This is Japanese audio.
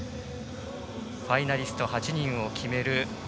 ファイナリスト８人を決める